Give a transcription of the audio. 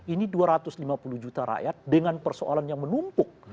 ini dua ratus lima puluh juta rakyat dengan persoalan yang menumpuk